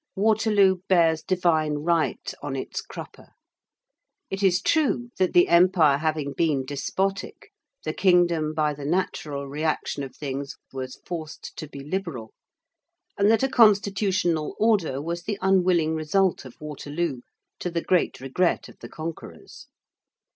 Waterloo bears divine right on its crupper. It is true, that the Empire having been despotic, the kingdom by the natural reaction of things, was forced to be liberal, and that a constitutional order was the unwilling result of Waterloo, to the great regret of the conquerors.